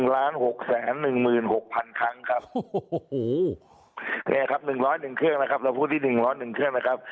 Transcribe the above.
๑๖๑๖๐๐๐ครั้งครับโอ้โหเนี่ยครับ๑๐๑เครื่องนะครับเราพูดที่๑๐๑เครื่องนะครับ